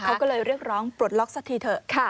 เขาก็เลยเรียกร้องปลดล็อกสักทีเถอะ